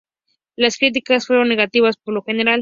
Las críticas fueron negativas por lo general.